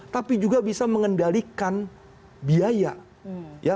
tapi juga bisa mengendalikan biaya